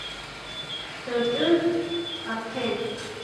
Даҿын Парҭен.